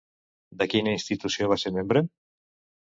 De quina institució va ser membre?